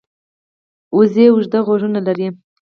وزې اوږده غوږونه لري